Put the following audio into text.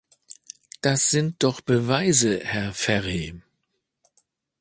Das sind doch Beweise, Herr Ferri!